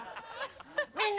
みんな！